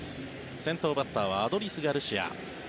先頭バッターはアドリス・ガルシア。